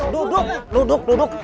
duduk duduk duduk